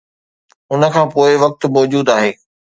ان کان پوء وقت موجود آهي.